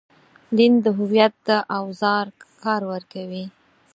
دین د هویت د اوزار کار ورکوي.